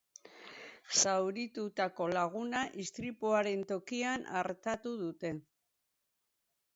Zauritutako laguna istripuaren tokian artatu dute.